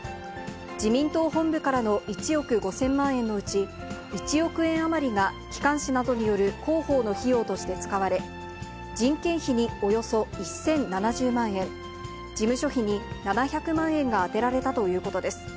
自民党本部からの１億５０００万円のうち、１億円余りが機関紙などによる広報の費用として使われ、人件費におよそ１０７０万円、事務所費に７００万円が充てられたということです。